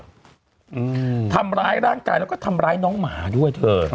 อืมทำร้ายร่างกายแล้วก็ทำร้ายน้องหมาด้วยเธอ